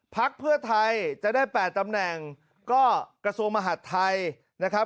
พักเพื่อไทยจะได้๘ตำแหน่งก็กระทรวงมหาดไทยนะครับ